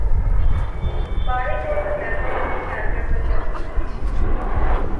Baring was a member of the Canterbury Association.